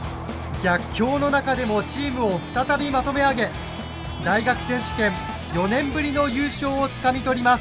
逆境の中でもチームを再びまとめ上げ大学選手権４年ぶりの優勝をつかみ取ります。